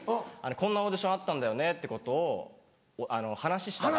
こんなオーディションあったんだよねってことを話したら。